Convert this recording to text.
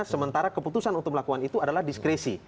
sementara keputusan untuk melakukan itu adalah diskresi